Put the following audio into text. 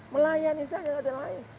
melayani saja gak ada yang lain